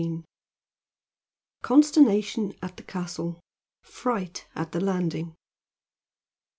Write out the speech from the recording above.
CONSTERNATION AT THE CASTLE FRIGHT AT THE LANDING.